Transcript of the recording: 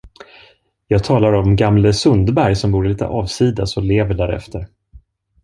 Jag talar om gamle Sundberg som bor litet avsides och lever därefter.